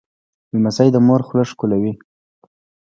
لمسی د مور خوله ښکوله کوي.